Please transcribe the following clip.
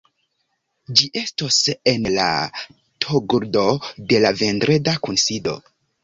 Ĝi estos en la tagordo de la vendreda kunsido.